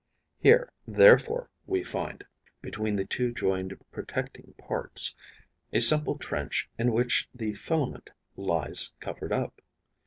Here, therefore, we find, between the two joined protecting parts, a simple trench in which the filament lies covered up.